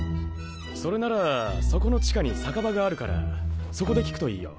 それならそこの地下に酒場があるからそこで聞くといいよ。